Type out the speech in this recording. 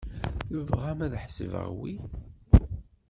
Tebɣam ad ḥesbeɣ wi?